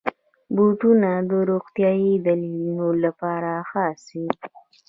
بوټونه د روغتیايي دلیلونو لپاره خاص وي.